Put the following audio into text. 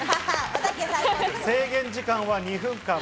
制限時間は２分間。